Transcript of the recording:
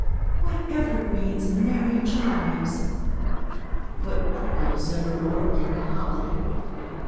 _) What evergreens and merry chimes! (_What prickles ever lurk in holly!